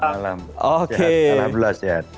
sehat alhamdulillah sehat